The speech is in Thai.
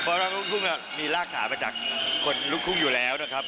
เพราะลูกทุ่งมีรากฐานมาจากคนลุกทุ่งอยู่แล้วนะครับ